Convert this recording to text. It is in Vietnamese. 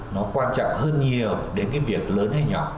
nó quan trọng hơn nhiều đến cái việc lớn hay nhỏ